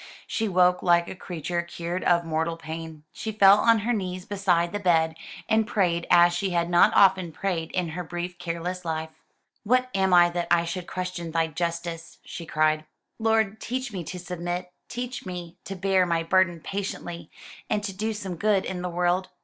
She woke like a creature cured of mortal pain. She fell on her knees beside the bed, and prayed as she had not often prayed in her brief careless life. "What am I that I should question Thy justice!" she cried. "Lord, teach me to submit, teach me to bear my burden patiently, and to do some good in the world."